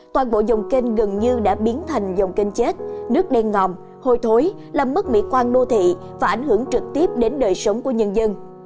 toàn bộ dòng kênh gần như đã biến thành dòng kênh chết nước đen ngòm hồi thối làm mất mỹ quan đô thị và ảnh hưởng trực tiếp đến đời sống của nhân dân